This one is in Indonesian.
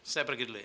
saya pergi dulu ya